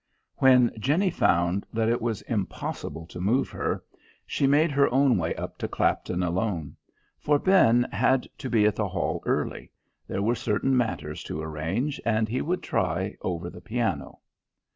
When Jenny found that it was impossible to move her, she made her own way up to Clapton alone. For Ben had to be at the hall early; there were certain matters to arrange, and he would try over the piano.